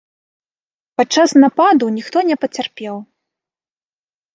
Падчас нападу ніхто не пацярпеў.